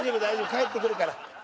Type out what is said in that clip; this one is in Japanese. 返ってくるから。